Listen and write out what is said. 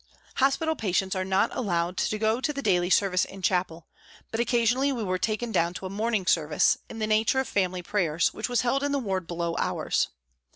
Hospital patients are not allowed to go to the daily service in chapel, but occasionally we were taken down to a morning service, in the nature of family prayers, which was held in the ward below ours.